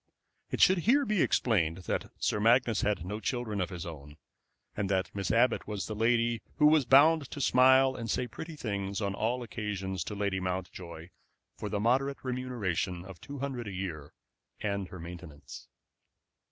It should be here explained that Sir Magnus had no children of his own, and that Miss Abbott was the lady who was bound to smile and say pretty things on all occasions to Lady Mountjoy for the moderate remuneration of two hundred a year and her maintenance.